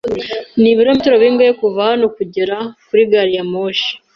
Nibirometero bingahe kuva hano kugera kuri gari ya moshi?